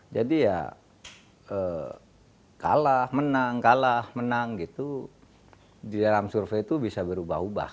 jadi ya kalah menang kalah menang gitu di dalam survei itu bisa berubah ubah